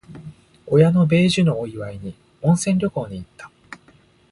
親の米寿のお祝いに、温泉旅行に行った。